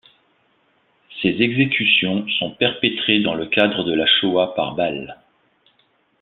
Ces exécutions sont perpétrées dans le cadre de la Shoah par balles.